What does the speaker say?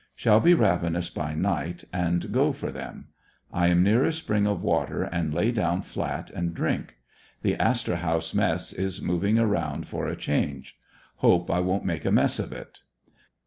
Shall be ravenous by night and go for them. I am near a spring of water, and lay down flat and drink. The "Astor House Mess" is moving around for a change; hope I won't make a mess of it.